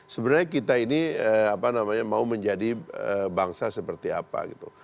sebenarnya kita ini apa namanya mau menjadi bangsa seperti apa gitu